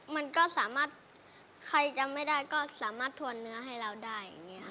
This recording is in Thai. มันก็สามารถใครจำไม่ได้ก็สามารถทวนเนื้อให้เราได้อย่างนี้ค่ะ